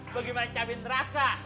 bagaimana cabai terasa